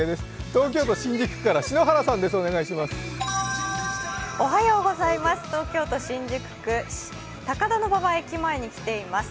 東京都新宿区高田馬場駅前に来ています。